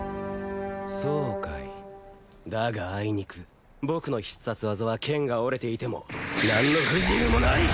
そうかいだがあいにく僕の必殺技は剣が折れていても何の不自由もない！